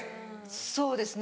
そうですね。